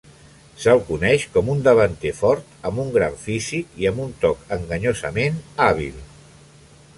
Se'l coneix com un davanter fort, amb un gran físic i amb un toc enganyosament hàbil.